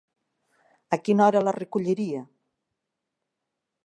A quina hora la recolliria?